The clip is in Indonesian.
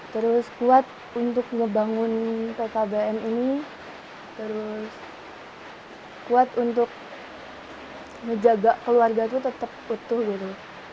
terus kuat untuk ngebangun pkbm ini terus kuat untuk menjaga keluarga itu tetap utuh gitu